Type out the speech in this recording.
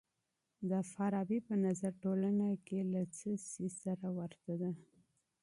د فارابي په نظر ټولنه له څه سي سره ورته ده؟